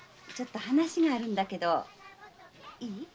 ちょっと話があるんだけどいい？